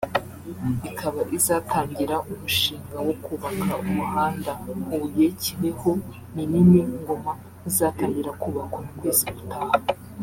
ikaba izatangira umushinga wo kubaka umuhanda Huye-Kibeho-Minini-Ngoma uzatangira kubakwa mu kwezi gutaha